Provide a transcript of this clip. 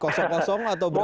kosong kosong atau berapa